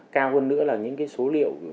cao hơn nữa là những số liệu